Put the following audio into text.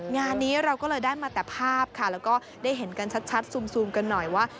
งานนี้เราก็เลยได้มาแต่ภาพค่ะแล้วก็ได้เห็นกันชัดซูมกันหน่อยว่า